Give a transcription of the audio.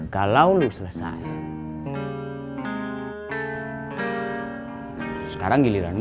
kalau lo selesai sekarang giliran